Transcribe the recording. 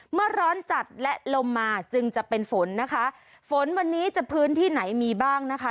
เมื่อร้อนจัดและลมมาจึงจะเป็นฝนนะคะฝนวันนี้จะพื้นที่ไหนมีบ้างนะคะ